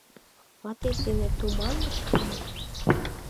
Ватет дене туманлышда мо?